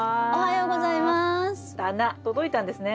棚届いたんですね。